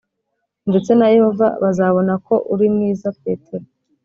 Ndetse na yehova bazabona ko uri mwiza petero